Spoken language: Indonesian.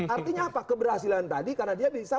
artinya apa keberhasilan tadi karena dia bisa